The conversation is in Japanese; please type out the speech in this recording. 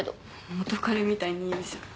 元カレみたいに言うじゃん。